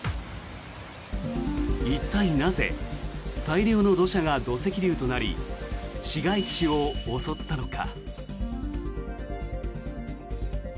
一体、なぜ大量の土砂が土石流となり市街地を襲ったのか。